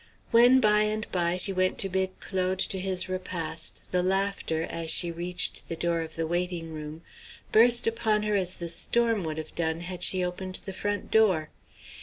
When by and by she went to bid Claude to his repast, the laughter, as she reached the door of the waiting room, burst upon her as the storm would have done had she opened the front door.